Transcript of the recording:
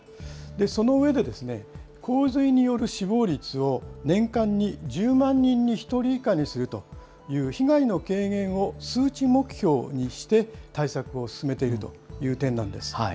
その上で、洪水による死亡率を年間に１０万人に１人以下にするという被害の軽減を数値目標にして対策を進めているという点なんです。